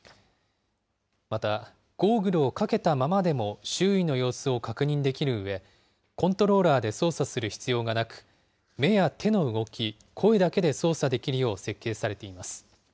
また、ゴーグルをかけたままでも周囲の様子を確認できるうえ、コントローラーで操作する必要がなく、目や手の動き、声だけで操作できるよう設計されています。